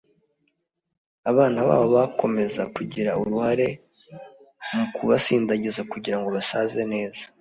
abana babo bakomeze kugira uruhare mu kubasindagiza kugirango basaze neza